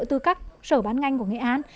từ các sở bán nganh của nghệ an